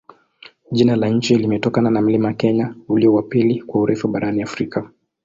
Jina la nchi limetokana na mlima Kenya, ulio wa pili kwa urefu barani Afrika.